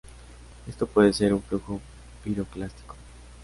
Esto puede ser un flujo piroclástico.